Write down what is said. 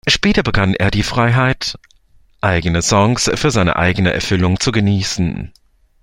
Später begann er die Freiheit, eigene Songs für seine eigene Erfüllung zu genießen.